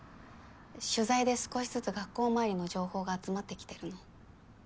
取材で少しずつ学校周りの情報が集まってきてるの。